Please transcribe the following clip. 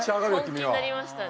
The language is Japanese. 本気になりましたね。